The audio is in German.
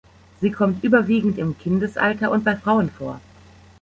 Sie kommt überwiegend im Kindesalter und bei Frauen vor.